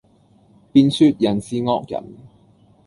便說人是惡人。